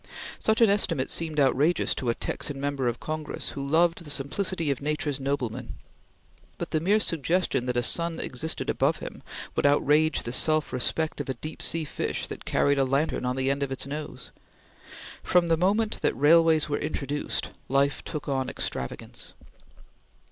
Such an estimate seemed outrageous to a Texan member of Congress who loved the simplicity of nature's noblemen; but the mere suggestion that a sun existed above him would outrage the self respect of a deep sea fish that carried a lantern on the end of its nose. From the moment that railways were introduced, life took on extravagance.